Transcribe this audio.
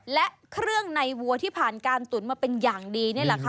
และเครื่องในวัวที่ผ่านการตุ๋นมาเป็นอย่างดีนี่แหละค่ะ